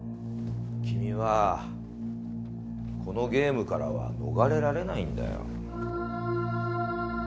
君はこのゲームからは逃れられないんだよ。